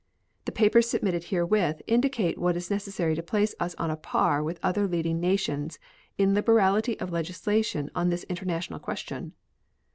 The papers submitted herewith indicate what is necessary to place us on a par with other leading nations in liberality of legislation on this international question.